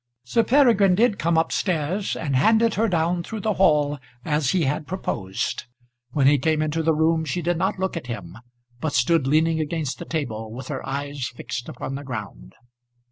Sir Peregrine did come up stairs and handed her down through the hall as he had proposed. When he came into the room she did not look at him, but stood leaning against the table, with her eyes fixed upon the ground.